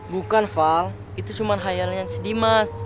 bukan val itu cuma khayalan si dimas